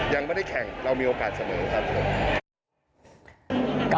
ยังไม่ได้แข่งเรามีโอกาสเสมอครับผม